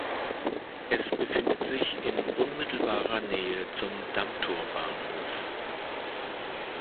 Es befindet sich in unmittelbarer Nähe zum Dammtor-Bahnhof.